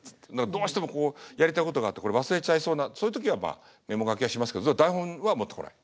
どうしてもこうやりたいことがあって忘れちゃいそうなそういう時はまあメモ書きはしますけど台本は持ってこない。